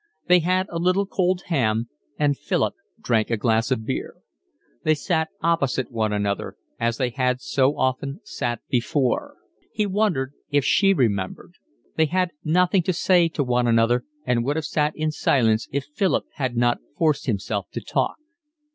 They had a little cold ham and Philip drank a glass of beer. They sat opposite one another, as they had so often sat before; he wondered if she remembered; they had nothing to say to one another and would have sat in silence if Philip had not forced himself to talk.